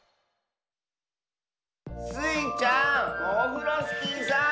スイちゃんオフロスキーさん。